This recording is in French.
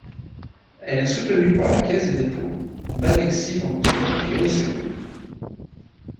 Elle est soutenue par la Caisse des dépôts, Banexi Venture et Oséo.